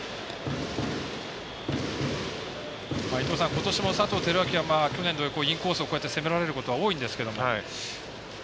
ことしも佐藤輝明は去年のようにインコースをこうやって攻められることは多いんですけど。